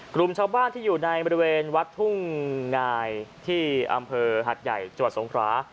กลุ่มชาวบ้านที่อยู่ในบริเวณวัดทุ่งงายที่อำเภอหัดใหญ่จังหวัดสงครา